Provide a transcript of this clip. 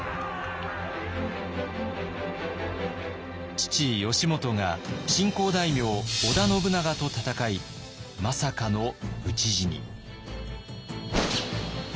父義元が新興大名織田信長と戦いまさかの討ち死に。